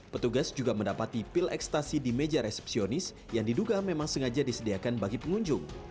petugas juga mendapati pil ekstasi di meja resepsionis yang diduga memang sengaja disediakan bagi pengunjung